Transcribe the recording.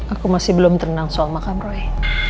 aku masih belum terenang soal makan roy